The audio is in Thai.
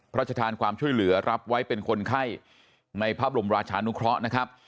ชธานความช่วยเหลือรับไว้เป็นคนไข้ในพระบรมราชานุเคราะห์นะครับ